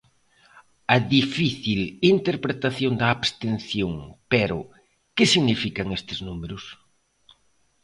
A difícil interpretación da abstención Pero, que significan estes números?